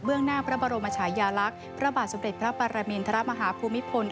เบื้องหน้าพระบรมชายาลักษณ์พระบาทสุปริติพระปรมินทรมาฮภูมิพล